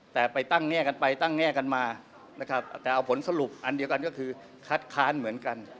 แต่ไปตั้งแง่กันไปตั้งแง่กันมานะครับแต่เอาผลสรุปอันเดียวกันก็คือคัดค้านเหมือนกัน